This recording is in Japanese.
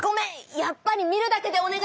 やっぱり見るだけでお願いします！